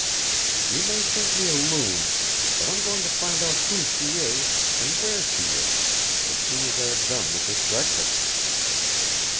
You may think me a loon, but I'm going to find out who she is and where she is as soon as I have done with this breakfast."